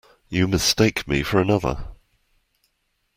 You mistake me for another.